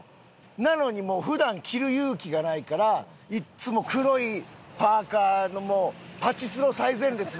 なのにもう普段着る勇気がないからいつも黒いパーカのもうパチスロ最前列みたいな。